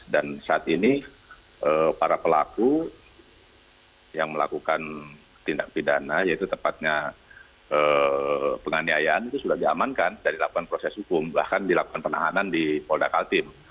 dan saat ini para pelaku yang melakukan tindak pidana yaitu tepatnya penganiayaan itu sudah diamankan dari lakukan proses hukum bahkan dilakukan penahanan di polda kaltim